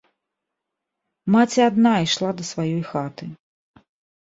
Маці адна ішла да сваёй хаты.